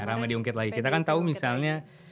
rame diungkit lagi kita kan tau misalnya